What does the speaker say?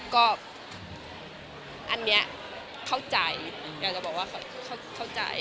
ก็อันนี้เข้าใจอยากจะบอกว่าเข้าใจ